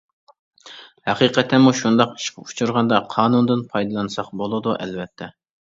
ھەقىقەتەنمۇ شۇنداق ئىشقا ئۇچرىغاندا قانۇندىن پايدىلانساق بولىدۇ ئەلۋەتتە.